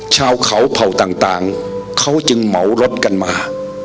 ชาวเขาเผ่าต่างเขาจึงเหมารถกันมา